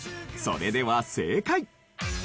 それでは正解。